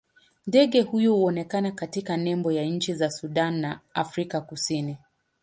Ndege huyu huonekana katika nembo ya nchi za Sudan na Afrika Kusini.